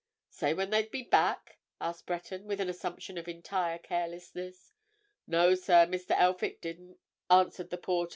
"Say when they'd be back?" asked Breton, with an assumption of entire carelessness. "No, sir, Mr. Elphick didn't," answered the porter.